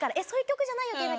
そういう曲じゃないよ！